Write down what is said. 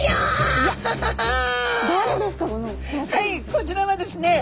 こちらはですね